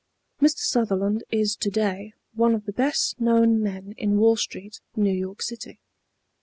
Mr. Sutherland is to day one of the best known men in Wall Street, New York City.